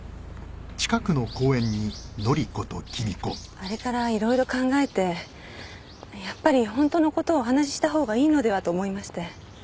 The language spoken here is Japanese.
あれからいろいろ考えてやっぱり本当のことをお話ししたほうがいいのではと思いまして。